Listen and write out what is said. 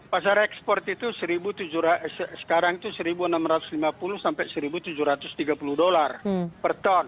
pasar ekspor itu sekarang itu satu enam ratus lima puluh sampai satu tujuh ratus tiga puluh dolar per ton